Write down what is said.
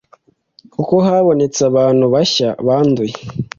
kuko habonetse abantu bashya banduye